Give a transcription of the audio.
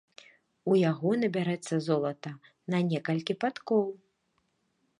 У яго набярэцца золата на некалькі падкоў.